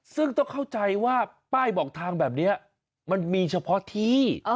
ซึ่งต้องเข้าใจว่าป้ายบอกทางแบบนี้มันมีเฉพาะที่